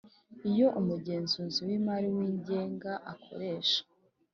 Iyo umugenzuzi w imari wigenga akoresha